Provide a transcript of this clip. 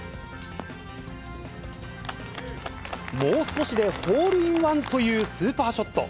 もう少しでホールインワンというスーパーショット。